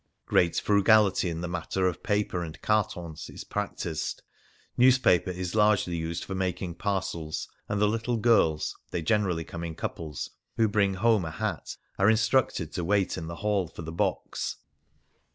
Great frugality in the matter of paper and cartons is practised. Newspaper is largely used for making parcels, and the little girls — they generally come in couples — who bring home a hat are instructed to wait in the hall for the box.